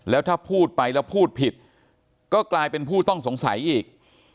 แล้วถ้าพูดไปแล้วพูดผิดก็กลายเป็นผู้ต้องสงสัยอีก